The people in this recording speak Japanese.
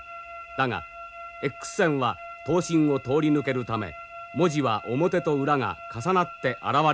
だがＸ線は刀身を通り抜けるため文字は表と裏が重なって現れるのである。